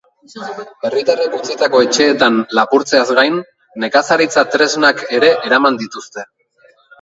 Herritarrek utzitako etxeetan lapurtzeaz gain, nekazaritza-tresnak ere eraman dituzte.